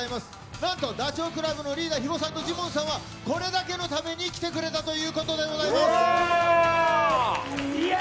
なんとダチョウ倶楽部のリーダー、肥後さんと寺門さんは、これだけのために来てくれたということでございます。やー！